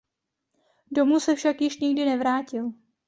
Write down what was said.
Domů se však již nikdy nevrátil.